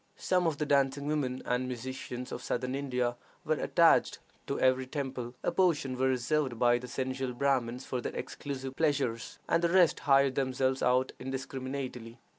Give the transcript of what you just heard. Some of the dancing women and musicians of Southern India were attached to every temple; a portion were reserved by the sensual Brahmins for their exclusive pleasures, and the rest hired themselves out indiscriminately.